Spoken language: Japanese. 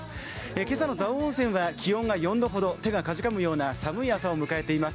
今朝の蔵王温泉は気温が４度ほど手がかじかむような寒い朝を迎えています。